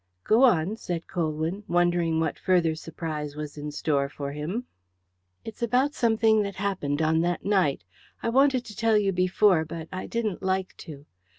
"Go on," said Colwyn, wondering what further surprise was in store for him. "It's about something that happened on that night. I wanted to tell you before, but I didn't like to.